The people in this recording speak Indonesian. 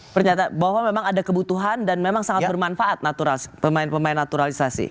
pernyataan bahwa memang ada kebutuhan dan memang sangat bermanfaat pemain pemain naturalisasi